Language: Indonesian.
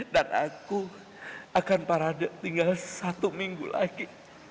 dan aku akan parade tinggal satu minggu lagi